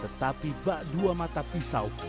tetapi bak dua mata pisau